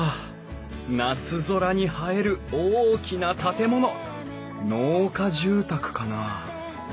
夏空に映える大きな建物農家住宅かな？